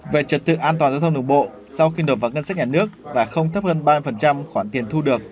về trật tự an toàn giao thông đường bộ sau khi nộp vào ngân sách nhà nước và không thấp hơn ba khoản tiền thu được